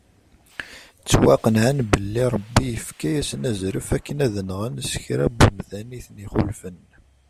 Ttwaqenɛen belli Ṛebbi yefka-asen azref akken ad nɣen sekra n umdan iten-ixulfen.